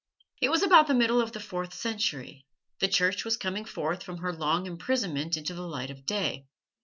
It was about the middle of the fourth century. The Church was coming forth from her long imprisonment into the light of day.